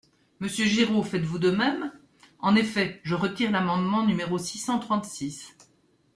Monsieur Giraud, faites-vous de même ? En effet, je retire l’amendement numéro six cent trente-six.